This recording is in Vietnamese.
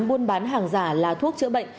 buôn bán hàng giả là thuốc chữa bệnh